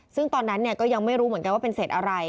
ซึ่งตอนนั้นก็ยังไม่รู้เหมือนกันว่าเป็นเศษอะไร